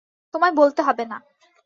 তোমায় বলতে হবে না।